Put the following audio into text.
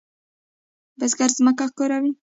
بزګر زمکه کوري.